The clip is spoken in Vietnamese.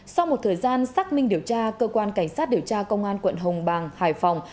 sau một thời gian xác minh điều tra cơ quan cảnh sát điều tra công an quận hồng bàng hải phòng